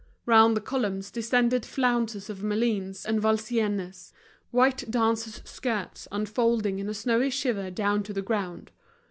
Round the columns descended flounces of Malines and Valenciennes, white dancers' skirts, unfolding in a snowy shiver down to the ground.